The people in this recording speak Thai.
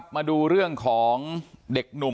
มาดูเรื่องของเด็กหนุ่ม